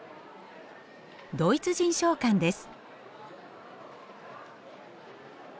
ドイツ人商館です。